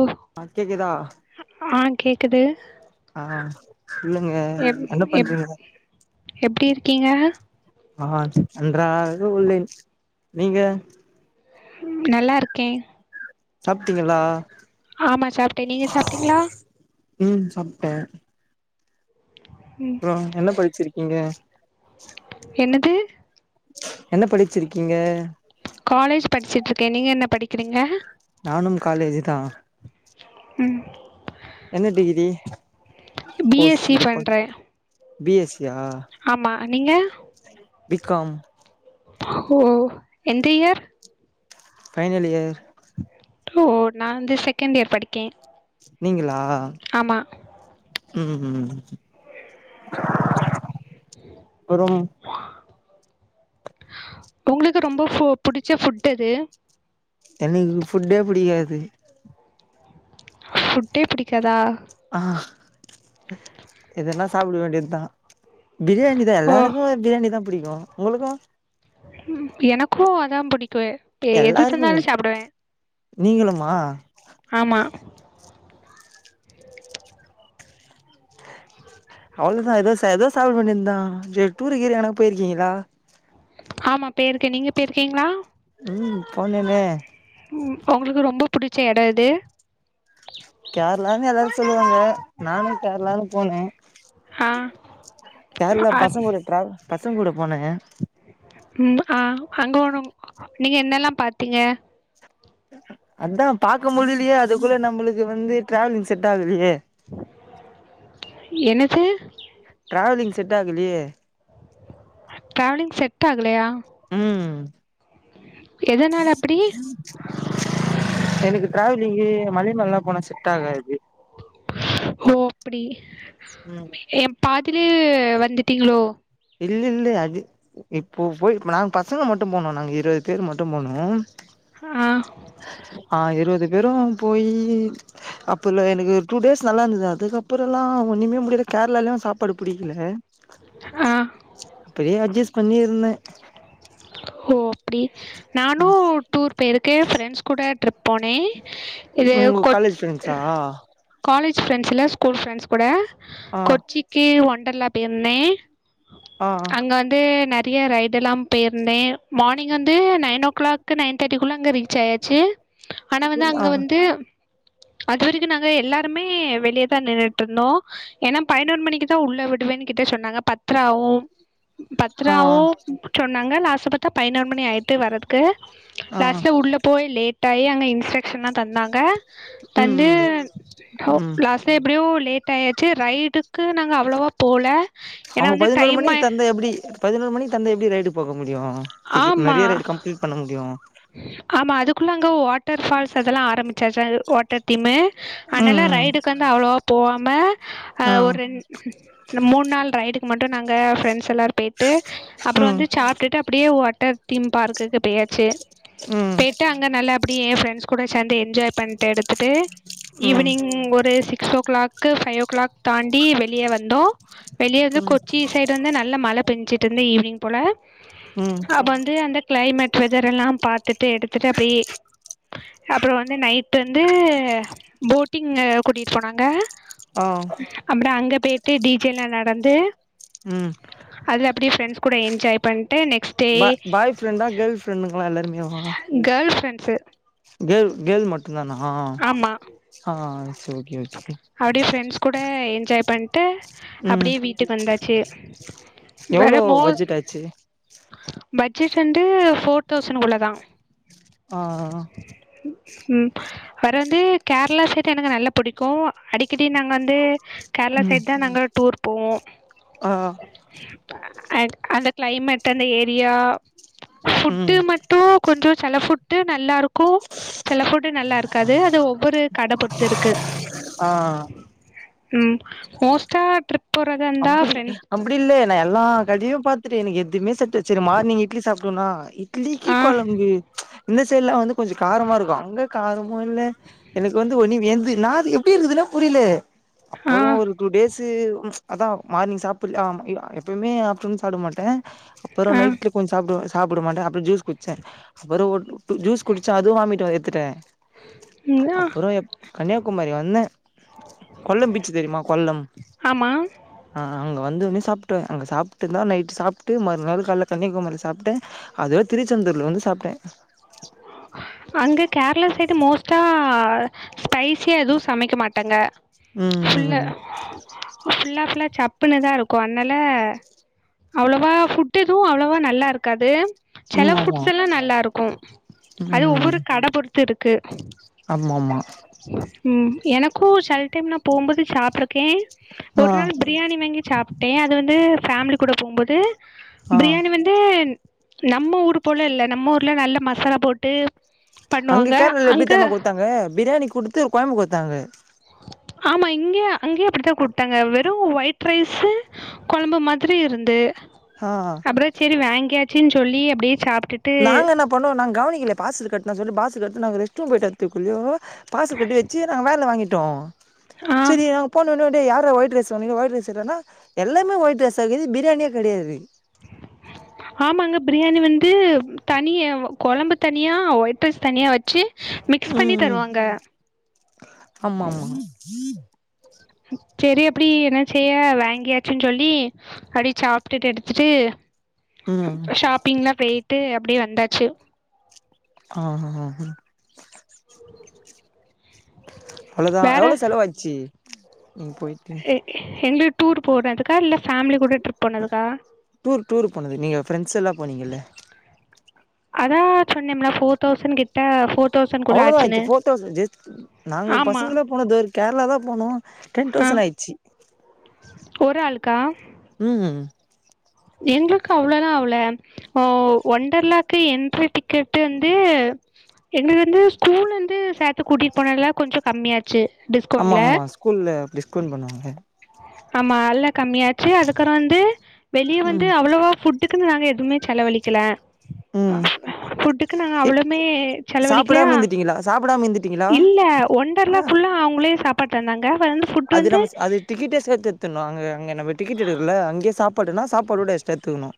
ஓ ஆ கேக்குதா ஆ கேக்குது ஆ சொல்லுங்க எப் என்ன எப் பண்றிங்க [inaudible] ஆ நன்றாக உள்ளேன் நீங்க நல்லாருக்க சாப்டிங்களா ஆமா சாப்ட நீங்க சாப்டிங்களா உம் சாப்ட ம் அப்ற என்ன படிச்சிருக்கிங்க என்னது என்ன படிச்சிருக்கிங்க காலேஜ் படிச்சிட்ருக்க நீங்க என்ன படிக்கிறிங்க நானும் காலேஜூதா ம் என்ன degree B course S C டிப்ப பண்றே பி எஸ் சி யா ஆமா நீங்க பிக்காம் ஓ எந்த இயர் ஃபைனலியர் ஓ நா வந்து செகண்ட்டியர் படிக்க நீங்களா உம் உம் அப்றம் உங்களுக்கு ரொம்ப ஃபோ புடிச்ச ஃபுட் எது எனக்கு ஃபுட்டே புடிக்காது ஃபுட்டே புடிக்காதா ஆ எதனா சாப்ட வேண்டிதா பிரியாணி தா ஓ எல்லாருக்குமே பிரியாணிதா பிடிக்கு உங்ளுக்கூ எனக்கு அதா பிடிக்கு பே எது எல்லாருக்கு தந்தாலு சாப்டுவ நீங்களுமா அவுள்தா ஏதோ சே ஏதோ சாப்ட வேண்டிதா இந்த டூறு கீறு எங்கனா போயிருக்கீங்களா ஆமா பேயிருக்க நீங்க பேயிருக்கீங்ளா உம் போனோமே உம் உங்களுக்கு ரொம்ப புடிச்ச எட எது கேரளான்னு எல்லாரு சொல்லுவாங்க நானு கேரளான்னு போன ஆ கேரளா ஆ பசங்க கூட டிரா பசங்க கூட போன உம் ஆ அங்கோனோ நீங்க என்னலா பாத்திங்க அதா பாக்க முடிலியே அதுக்குள்ள நம்ளுக்கு வந்து ட்ராவலிங் செட்டாகலியே என்னது ட்ராவலிங் செட்டாகலியே ட்ராவலிங் செட்டாகலையா உம் எதனால அப்டி எனக்கு டிராவலிங்கு மலிமேல்லா போனா செட்டாகாது ஓ அப்டி ம் ஏம் பாதிலே வந்துட்டீங்ளோ இல்லில்ல அது இப்போ போய் நாங்க பசங்க மட்டும் போனோ நாங்க இருவது பேர் மட்டும் போனோ ஆ வெறும் போய் அப்ப இல்ல எனக்கு ஒரு டூ டேஸ் நல்லா இருந்தது அதுக்கப்புறம் எல்லா ஒண்ணுமே முடியல கேரளாலயு சாப்பாடு பிடிக்கல ஆ அப்படியே அட்ஜஸ்ட் பண்ணி இருந்தே சோ அப்படி நானு டூர் போயிருக்கே ஃப்ரெண்ட்ஸ் கூட போனே இது உங்க கொ காலேஜ் ஃப்ரெண்ட்ஸா காலேஜ் ஃப்ரெண்ட்ஸ்ல்ல ஸ்கூல் ஃரெண்ட்ஸ் கூட ஆ கொச்சிக்கு ஒண்டர்லா போயிருந்தே ஆ அங்க வந்து நிறைய ரைடு எல்லா போயிருந்தே மார்னிங் வந்து நைன் ஓ கிளாக் நைன் தேர்ட்டிக்குள்ளே அங்க ரீச் ஆயாச்சு ஆனா வந்து ஆ அங்க வந்து அதுவரைக்கு நாங்க எல்லாருமே வெளியேதா நின்ட்டு இருந்தோ ஏன்னா பதினொரு மணிக்கு தா உள்ள விடு வே கிட்ட சொன்னாங்க பத்ரா ஆவும் ஆ பத்ராவு சொன்னாங்க லாச பத்த பதினொரு மணி ஆயிட்டு வரதுக்கு ஆ லாஸ்ட்ல உள்ள போய் லேட் டய அங்க இன்ஸ்ட்ரக்ஷன்லா தந்தாங்க ம் தந்து ம் ஆ ம் லாஸ்ட்ல எப்படியோ லேட் ஆய ச்சு ரைடுக்கு நாங்க அவ்வளோவா போல அவங்க பதினோரு மணிக்கு தந்த எப்படி பதினோரு மணி தந்த எப்படி ரைடு போகு முடியு ஆமா நிறைய கம்ப்ளீட் பண்ண முடியு ஆமா அதுக்குள்ள அங்க வாட்டர் ஃபால்ஸ் அதெல்லா ஆரம்பிச்சாச்ச வாட்டர் தீமு ம் ஆனாலா ம் ரைடுக்கு வந்து அவ்வளோவா போவாம ஆ ஒரு ரெ மூணு நாள் ரைடுக்கு மட்டு நாங்க பிரெண்ட்ஸ் எல்லர் போ ட்டு அப்புறம் ம் வந்து சாப்பிட்டு அப்படியே வாட்டர் தீம் பார்க்குக்கு போயாச்சு ம் போய்ட்டு அங்க நல்லா அபடிய என் ஃப்ரெண்ட்ஸ் கூட சேர்ந்து என்ஜாய் பண்ணிட்டு எடுத்துட்டு ம் ஈவினிங் ஒரு six o'clock five o'clock தாண்டி வெளியே வந்தோ வெளியே வந்து ம் கொச்சி சைடு வந்து நல்ல மழ பெஞ்சு இருந்தது ஈவினிங் போல ம் அ வந்து அந்த கிளைமேட் வேதர் எல்லா பாத்துட்டு எடுத்துட்டு அபி அப்புறம் வந்து நைட் வந்து போட்டிங் கூட்டிட்டு போனாங்க ஆ அப்புறம் அங்க போயிட்டு டிஜேல்லா நடந்து ம் அதுல அப்படியே ஃஃப்ரெண்ட்ஸ் கூட என்ஜாய் பண் ப் பாய் ஃப்ரெண்டா கேர்ள் ஃப்ரெண்டுங்கல்லா எல்லாருமோ சு கேல் கேல் மட்டும் தானா ஆமா ஆ ஓகே ஓகே அப்டியே ஃப்ரெண்ட்ஸ் கூட என்ஜாய் பண்ணிட்டு ம் அப்படியே வீட்டுக்கு வந்தாச்சு வேற எவ்ளோ மோ பட்ஜெட் ஆச்சு ப ட்ஜெட் வந்து ஃபோர் தௌசண்ட் உள்ளதா ஆ ம் வேற வந்து கேரளா சைட் எனக்கு நல்லா பிடிக்கு அடிக்கடி நாங்க வந்து கேரளா ம் சைட் தா நான்க டூர் போவோ ஆ அண்ட் அந்த கிளைமேட் அந்த ஏரியா ஃபுட்டு ம் மட்டு கொஞ்சோ சில ஃபுட்டு நல்லா இருக்கு சில ஃபுட் நல்லா இருக்காது அது ஒவ்வொரு கட பொறுத்து இருக்கு ஆ ம் மோஸ்டா ட்ரிப் போறதா இருந்தா அப்படி ஃப்ரெண்ட் அப்படி இல்ல நா எல்லா கடையு பாத்துட்டே எனக்கு எதுவுமே [unintelligible] மார்னிங் இட்லி சாப்பிடும்னா இட்லிக்கீ ஆ குழம்பு இந்த சைடலா வந்து கொஞ்ச காரமா இருக்கு அங்க காரமு இல்ல எனக்கு வந்து ஒன்னி வெந்து நா அது எப்படி இருக்குதுன்னா புரிலே ஆ அப்புறம் ஒரு டூ டேஸ் அதா மார்னிங் சாப்பிடல ஆ எப்பயுமே ஆப்டர் நூன் சாப்பிட மாட்டே அப்புறம் ஆ நைட்ல கொஞ்ச சாப்பிடுவ சாப்பிட மாட்டே அப்புறம் ஜூஸ் குடிச்ச அப்புறம் ஒரு ஜூஸ் குடிச்ச அதுவு வாமிட் எடுத்துட்டே ம் ஆ அப்புறோ எ கன்னியாகுமரி வந்தே கொல்லம் பீச்சு தெரியுமா கொல்லம் ஆமா அ அ அங்க வந்ததுமே சாப்டே அங்க சாப்ட்டதுதா நைட் சாப்ட்டு மறுநாள் கால்ல கன்னியாகுமரில சாப்ட்டே அதுவே திருச்செந்தூர்ல வந்து சாப்ட்டே அங்க கேரளா சைடு மோஸ்ட்டா ஸ்பைசியா எதுவு சமைக்க மாட்டாங்க ம் ம் ஃபுல்ல ம் ஃபுல்லா ஃபுல்லா சப்புன்னுதா இருக்கு அதனா அவ்ளோவா ஃபுட்டு் எதுவு அவ்ளோவா நல்லாருக்காது செல ம் ஆமா ஃபுட்ஸெல்லா நல்லருக்கு அது ஒவ்வொரு கட பொறுத்து இருக்கு ஆமாமா எனக்கு செல டைம் நா போகும்போது சாப்ட்ருக்கே ஆ ஒரு நாள் பிரியாணி வாங்கி சாப்புட்டே அது வந்து ஃபேமிலி கூட போகும்போது ஆ பிரியாணி வந்து நம்ம ஊரு போல இல்ல நம்ம ஊர்ல நல்ல மசாலா போட்டு அங்க பண்ணுவாங்க கேரளால அங்கே எப்பிடித்தேமா குடுத்தாங்க பிரியாணி குடுத்து கொழம்பு குடுத்தாங்க ஆமா இங்கேயோ அங்கேயோ அப்டித்தா குடுத்தாங்க வெறு ஒரு ஒயிட் ரைஸ்ஸு கொழம்பு மாதிரி இருந்து ஆ அப்புறோ செரி வாங்கியாச்சின் சொல்லி அப்டியே சாப் நாங்க என்ன பண்ணோ நாங்க கவனிக்கல பார்சல் கட்னா சொல்லி பாஸ் கட்னா நாங்க ரெஸ்ட்ரூம் போயிட்டு வத்துக்குல்லோயோமே பார்சல் கட்டி வெச்சு நாங்க வேன்ல வாங்கிட்டோ ஆ செரி நாங்க போன்னோன்னே டே யாருடா ஒயிட் ரைஸ் சொன்னிங்க ஒயிட் ரைஸ் செரியான எல்லாமே ஒயிட் ரைஸ் தான பிரியாணியே கடையாது ஆமாங்க பிரியாணி வந்து தனிய கொழம்பு தனியா ஒயிட் ரைஸ் தனியா வெச்சு மிக்ஸ் பண்ணி ம் தருவாங்க ஆமா ஆமா ம் செரி அப்பிடி என்ன செய்ய வாங்கியாச்சுன் சொல்லி அப்டி சாப்ட்டுட்டு எடுத்துட்டு ம் அப்ப ஷாப்பிங்லா போயிட்டு அப்டியே வந்தாச்சு அ ஹா அஹா அவ்ளோதா வேற எவ்ளோவு செலவாச்சு நீங்க போயிட்டு எ எங்க டூர் போனட்டுக்கா இல்ல ஃபேமிலி கூட ட்ரிப் போனதுக்கா டூர் டூர் போனது நீங்க ஃப்ரெண்ட்ஸெல்லா போனீங்கல்ல அதா சொன்னேம்ல ஃபோர் தௌசண்ட் கிட்ட ஃபோர் தௌசண்ட் குள்ள அவ்ளோதா ஆச்சுன்னு ஆச்சா ஃபோர் தௌசண்ட் ஜெஸ்ட் நாங்க ஆமா பசங்கெல்லா போனது ஒரு கேரளா தா போனோ டென் ஆ தௌசண்ட் ஆய்டுச்சு ஒரு ஆளுக்கா ம் எங்களுக்கு அவ்ளோல்லா அவுல ஒ ஒண்டர்லாவுக்கு என்ட்ரி டிக்கெட்டு வந்து எங்கள வந்து ஸ்கூலந்து சேத்து கூட்டிட்டு போனதுல்ல கொஞ்சோ கம்மியாச்சு ஆமா டிஸ்கவுண்ட்ல ஆமா ஸ்கூல்ல டிஸ்கவுண்ட் பண்ணுவாங்க ஆமா அல்ல கம்மியாச்சு அதுக்கறோ வந்து வெளியே வந்து ம் அவ்ளோவா ஃபுட் டு நாங்க எவுமே செலவழிக் கில்ல அ ம் ஃபுட்டுக்குன் நாங்க அவ்ளோவ்மே செலவழிக்கிலையா சாப்பிடாம இருந்துட்டீங்களா சாப்பிடாம இருந்துட்டீங்களா இல்ல ஆ ஒண்டர்லாக்குள்ள அவுங்ளே சாப்பாட் தந்தாங்க வந்து ஃபுட் அது வந்து நம்ம ஸ் அது டிக்கெடேஸ் எடுதத் தத் நாங்க அங்க நம்ம டிக்கெட் எடுக்கறோல அங்கே சாப்பாடேல்லா சாப்பாடுக்கொட எக்ஸ்ட்ரா எடுத்துக்கணு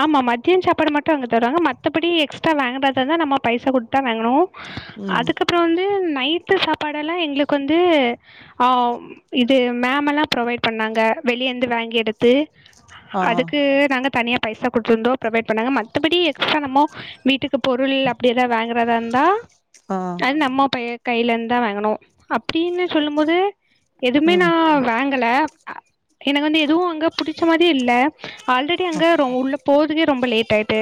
ஆமா மதியேம் சாப்பாடு மட்டு அங்க தருவாங்க மத்தபடி எக்ஸ்ட்ரா வாங்கறதெல்லா நம்ம பைசை குடுத்தா வாங்கணு ம் அதுக்கப்புறோ வந்து நைட்டு சாப்பாடெல்லா எங்களுக்கு வந்து ஆ இது மேமெல்லா ப்ரொவைட் பண்ணாங்க வெளியேந்து வாங்கி எடுத்து ஆ அதுக்கு நாங்க தனியா பைசா குடுத்துருந்தோ புரொவைட் பண்ணாங்க மத்தபடி எக்ஸ்ட்ரா நம்மோ வீட்டுக்கு பொருள் அப்பிடி எதாவது வாங்கறதா இருந்தா ஆ அது நம்ம பைய கைலேந்தா வாங்கணு அப் ப்டின்னு சொல்லும் போது எதுவ்மே நா ம் வாங் கல அ எனக்கு வந்து எதுவு அங்க புடிச்ச மாதிரி இல்ல ஆல்ரெடி அங்க போகுதுக்கே ரொம்ப லேட் ஆயிட்டு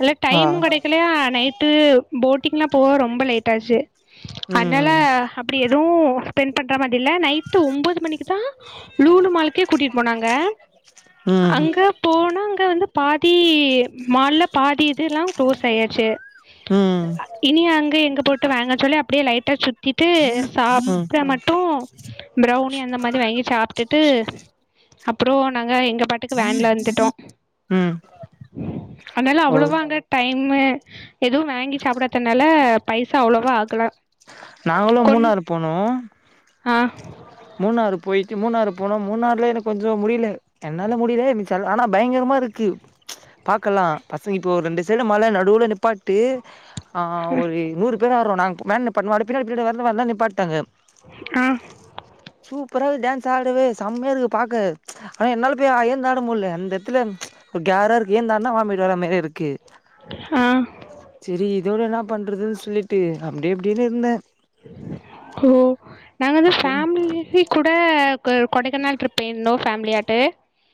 அல்ல ஆ டைமும் கிடைக்கலையா நைட் விட்டு போட்டிங்லாம் போவ ரொம்ப லேட் ஆச்சு ம் அதனால ம் அப்படி எதுவும் ஸ்பெண்ட் பண்ணற மாதிர இல் நைட்டு ஒம்பது மணிக்கு தான் லூனுு மாலக்கே கூட்டிட்டு போனாங்க ம் அங்க போனா வந்து பாதி மால்ல பாதி எல்லாம் குளோஸ் ஆயாச்சு ம் இனி அங்க எங்க போட்டு வாங்க சொல்லி அப்படியே லைட்ட சு த்திட்டு ம் சாப்பற மட்டும் ப்ரவ்னி அந்த மாதிரி வாங்கி சாப்ட்டுட்டு அப்புறம் நாங்க எங்க பாட்டுக்கு வேன்ல வந்துட்டோ ம் அதனால அவ்ளோ அவ்வளோவா அங்க டைம்மு எதுவும் வாங்கி சாப்பிடதுனால பைசா அவ்வளவா ஆகல நாங்களும் கொண் மூணாறு போனோம் ஆ மூணாறு போயி மூணாறு போனோம் மூணாறுல எனக்கு கொஞ்சம் முடியல என்னால முடியல ஆனா பயங்கரமா இருக்கு பாக்கலா பசங்க இப்ப ஒரு ரெண்டு சைடு மழ நடுவுல நிப்பாட்டு ஆ ஒரு நூறு பேர ஆட்ரோ நாங்க வேன நிப்பாட்ண்ணோம்ம அப்டி பின்னாடி பின்னாடி வர்து வேன் லா நிப்பாட்டிடாங்க ஆ சூப்பராக டான்ஸ் ஆடுவே செம்மையா இருக்கு பாக்க ஆனா என்னால போய் எழுந்து ஆட முடியல அந்த எடத்துல ஒரு கேரா இருக்கு ஏந்தான்னா வாமிட்டு வர மாரி இருக்கு ஆ செரி இதோட என்ன பண்றதுன்னு சொல்லிட்டு அப்படியே அப்படின்னு இருந்தே ஓ நாங்க வந்து அப்புறோ ஃபேமிளியே குடுத் கூட கொடைக்காநள் ட்ரிப் போய்யிருந்தோம் ஃபேமிலியாட்டு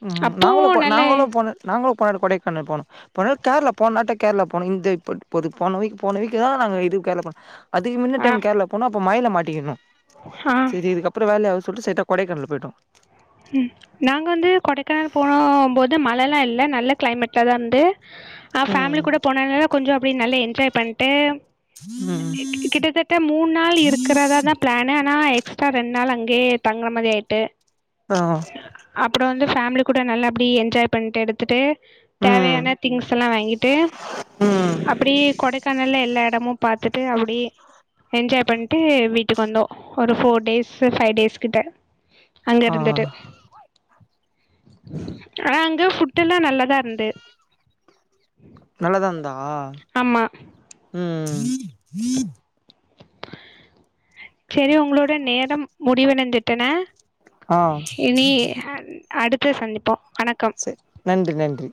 ம் அப்போ நாங்களும் நல்ல நாங்களும் போனு நாங்களும் போனோ கொடைக்கானல் போன கேரள போனட்ட கேரளா போனோம் இந்த இது போன வீக்கு போன வீக்கு தான் நா இது கேரள போ அதுக்கு முன்ன ஆ டைம் கேரள போன அப்ப மழைல மாட்டிக்கணும் ஆ செரி இதுக்கப்புறம் வேல ஆவாது சொல்ட்டு ஸ்ட்ரைட்டா கொடைக்கானல் போய்ட்டோ ம் நாங்க வந்து கொடைக்கானல் போன போது மழை எல்லா இல்ல நல்ல கிளைமேட்ல தான் இருந்து ஆ ஃபேமிலி ம் கூட போனதுனால கொஞ்சம் அப்படி நல்லா என்ஜாய் பண்ட்டு ம் கிட்டத்தட்ட மூணு நாள் இருக்கிறதா தான் பிளான்னு ஆனா எக்ஸ்ட்ரா ரெண்டு நாள் அங்க தே தங்குறமறி ஆயிட்டு ஆ அப்புறம் வந்து ஃபேமிலி கூட நல்லா அப்டி என்ஜாய் பண்ட்டு எடுத்துட்டு ம் தேவையான திங்ஸ் எல்லா வாங்கிட்டு ம் அப்படி கொடைக்கானல்ல எல்லா எடமும் பாத்துட்டு அப்படியே என்ஜாய் பண்ட்டு வீட்டுக்கு வந்தோ ஒரு ஃபோர் டேஸ் ஃபைவ் டேஸ் கிட்ட அங்க ஆ இருந்துட்டு ஆனா அங்க ஃபுட் எல்லா நல்லாதான் இருந்து நல்லதான் இருந்தா ஆமா ம் ம் செரி உங்களோட நேரம் முடிவணந்துட்டன ஆ இனி ஹா அடுத்து சந்திப்போ சரி நன்றி நன்றி